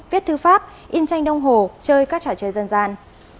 viết thư pháp in tranh đông hồ chơi các trò chơi dân gian